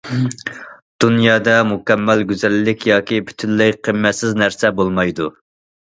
دۇنيادا مۇكەممەل گۈزەللىك ياكى پۈتۈنلەي قىممەتسىز نەرسە بولمايدۇ.